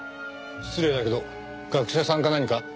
失礼だけど学者さんか何か？